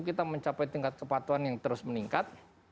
kita mencapai tingkat kepatuhan yang terus meningkat